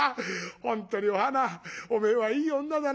本当にお花おめえはいい女だな」。